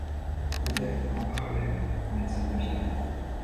Il est, en parallèle, médecin de ville.